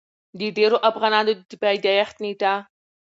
د ډېرو افغانانو د پېدايښت نيټه